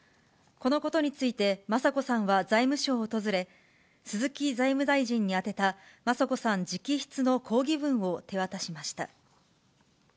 このことについて、雅子さんは財務省を訪れ、鈴木財務大臣に宛てた雅子さん直筆の抗議文を手渡しました。